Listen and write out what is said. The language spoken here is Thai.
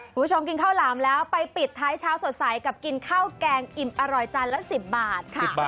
คุณผู้ชมกินข้าวหลามแล้วไปปิดท้ายเช้าสดใสกับกินข้าวแกงอิ่มอร่อยจานละ๑๐บาทค่ะ